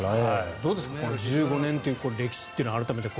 どうですか１５年の歴史というのは改めて。